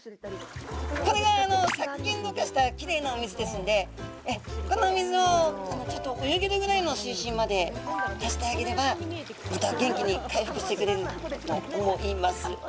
これが殺菌、ろ過したきれいなお水ですのでこのお水をちょっと泳げるくらいの水深まで足してあげれば、また元気に回復してくれると思います。